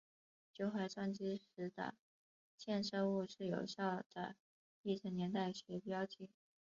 酒海撞击时的溅射物是有效的地层年代学标记。